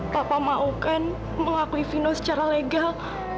papa maukan mengakui vino secara legal